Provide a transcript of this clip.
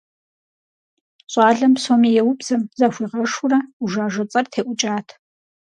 ЩӀалэм псоми еубзэм, захуигъэшурэ, «ӏужажэ» цӀэр теӀукӀат.